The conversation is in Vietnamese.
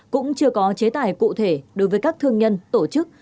cũng chưa có chế tài cụ thể đối với các thương nhân tổ chức